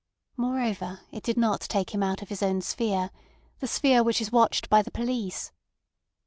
Moreover, it did not take him out of his own sphere—the sphere which is watched by the police.